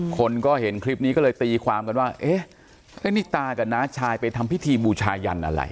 คนก็เห็นคลิปนี้ก็เลยตีความกันว่าเอ๊ะนี่ตากับน้าชายไปทำพิธีบูชายันอะไร